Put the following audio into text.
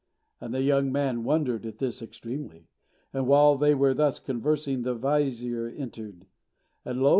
And the young man wondered at this extremely. And while they were thus conversing, the vizier entered; and lo!